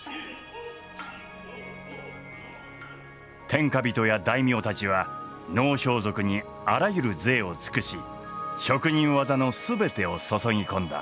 天下人や大名たちは能装束にあらゆる贅を尽くし職人技の全てを注ぎ込んだ。